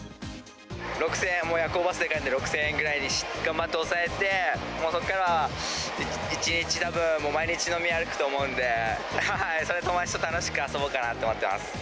６０００円、夜行バスで帰って、６０００円ぐらいに頑張って抑えて、もうそこからは一日たぶん、毎日飲み歩くと思うので、それで友達と楽しく遊ぼうかなと思ってます。